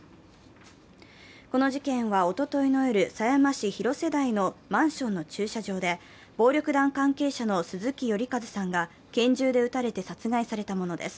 この事件は、おとといの夜、狭山市広瀬台のマンションの駐車場で、暴力団関係者の鈴木頼一さんが拳銃で撃たれて殺害されたものです。